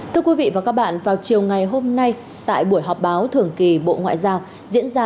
thưa quý vị và các bạn vào chiều ngày hôm nay tại buổi họp báo thường kỳ bộ ngoại giao diễn ra